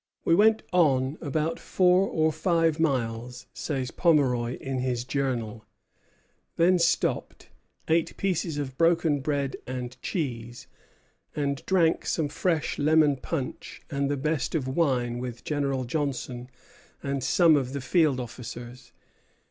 "We went on about four or five miles," says Pomeroy in his Journal, "then stopped, ate pieces of broken bread and cheese, and drank some fresh lemon punch and the best of wine with General Johnson and some of the field officers."